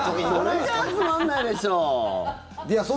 それじゃあつまんないでしょう！